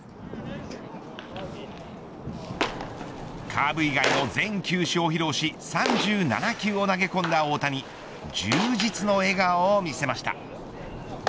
カーブ以外の全球種を披露し３７球を投げ込んだ大谷充実の笑顔を見せました。